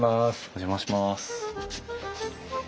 お邪魔します。